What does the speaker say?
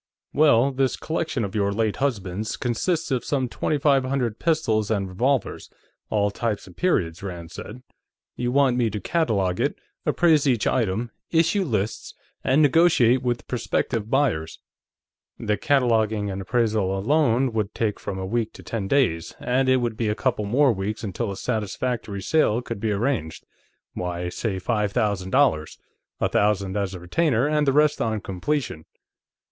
"Well, this collection of your late husband's consists of some twenty five hundred pistols and revolvers, all types and periods," Rand said. "You want me to catalogue it, appraise each item, issue lists, and negotiate with prospective buyers. The cataloguing and appraisal alone would take from a week to ten days, and it would be a couple more weeks until a satisfactory sale could be arranged. Why, say five thousand dollars; a thousand as a retainer and the rest on completion."